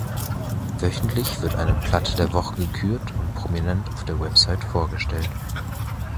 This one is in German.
Wöchentlich wird eine „Platte der Woche“ gekürt und prominent auf der Website vorgestellt.